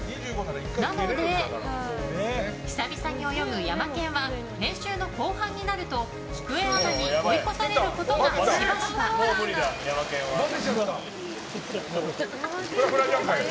なので、久々に泳ぐヤマケンは練習の後半になるときくえアナに追い越されることがしばしば。